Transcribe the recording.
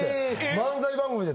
漫才番組で。